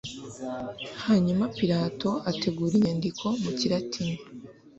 Hanyuma Pilato ategura inyandiko mu kilatini,